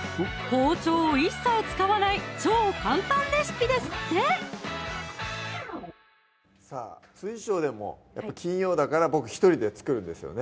包丁を一切使わない超簡単レシピですってさぁ調でもやっぱ金曜だから僕１人で作るんですよね